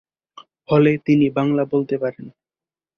ফলে তিনি বাংলা বলতে পারেন।